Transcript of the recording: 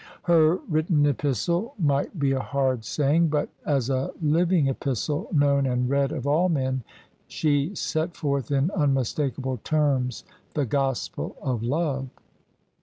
Her written epistle might be a hard saying: but as a living epistle, known and read of all men, she set forth in unmistakable terms the gospel of love.